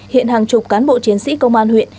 hiện hàng chục cán bộ chiến sĩ công an huyện